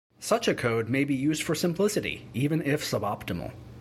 Such a code may be used for simplicity, even if suboptimal.